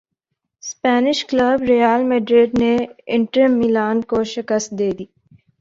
Spanish club Real Madrid نے Inter Milan کو شکست دے دی